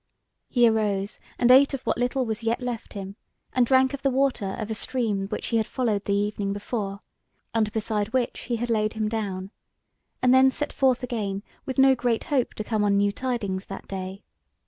He arose and ate of what little was yet left him, and drank of the water of a stream which he had followed the evening before, and beside which he had laid him down; and then set forth again with no great hope to come on new tidings that day.